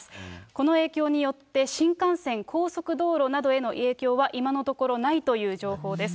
この影響によって新幹線、高速道路などへの影響は今のところないという情報です。